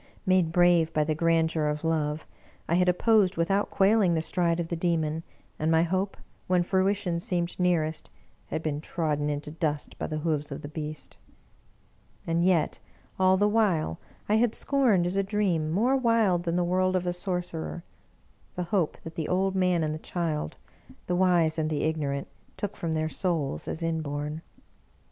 Made brave by the grandeur of love, I had opposed without quailing the stride of the Demon, and my hope, when fruition seemed nearest, had been trodden into dust by the hoofs of the beast! And yet, all the while, I had scorned, as a dream, more wild than the word of a sorcerer, the hope that the. old man and the child, the wise and the ignorant, took from their souls as inborn.